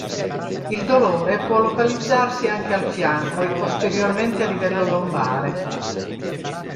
Il dolore può localizzarsi anche al fianco e posteriormente a livello lombare.